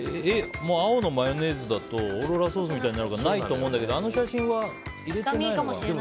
青のマヨネーズだとオーロラソースみたいになるからないと思うんだけどあの写真は入れてないのかな。